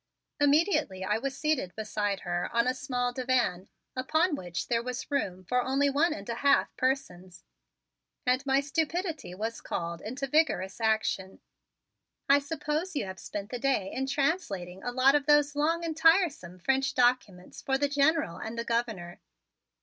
Immediately I was seated beside her on a small divan upon which there was room for only one and a half persons, and my stupidity was called into vigorous action. "I suppose you have spent the day in translating a lot of those long and tiresome French documents for the General and the Governor.